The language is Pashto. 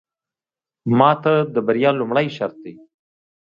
ماته د بريا لومړې شرط دی.